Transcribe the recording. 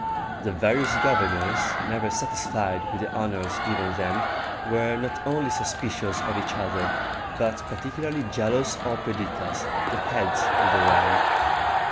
The various governors, never satisfied with the honors given them, were not only suspicious of each other, but particularly jealous of Perdiccas, the head of the realm.